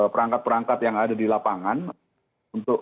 perangkat perangkat yang ada di lapangan untuk